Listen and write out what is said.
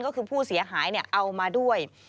ก็คือผู้เสียหายเอามาด้วย